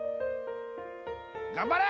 頑張れ！